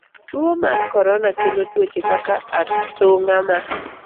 Tuo mar korona kelo tuoche kaka athung'a ma